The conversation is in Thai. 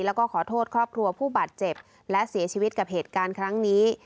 แล้วก็ขอโทษครอบครัวผู้บาดเจ็บและเสียชีวิตกับเหตุการณ์ครั้งนี้